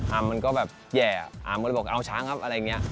มันก็แบบแห่อามก็เลยบอกเอาช้างครับอะไรอย่างนี้